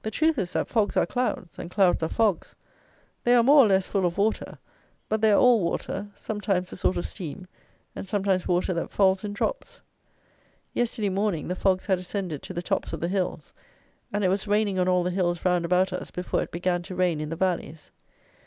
The truth is, that fogs are clouds, and clouds are fogs. They are more or less full of water; but they are all water; sometimes a sort of steam, and sometimes water that falls in drops. Yesterday morning the fogs had ascended to the tops of the hills; and it was raining on all the hills round about us before it began to rain in the valleys.